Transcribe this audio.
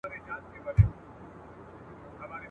زلمي بېریږي له محتسبه ..